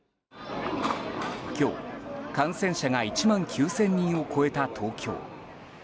今日、感染者が１万９０００人を超えた東京。